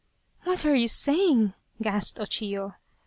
" What are you saying ?" gasped O Chiyo.